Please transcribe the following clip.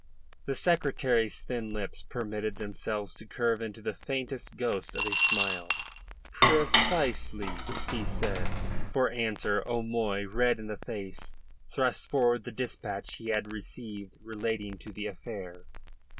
The Secretary's thin lips permitted themselves to curve into the faintest ghost of a smile. "Precisely," he said. For answer O'Moy, red in the face, thrust forward the dispatch he had received relating to the affair.